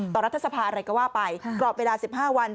รัฐสภาอะไรก็ว่าไปกรอบเวลา๑๕วัน